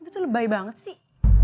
itu tuh lebay banget sih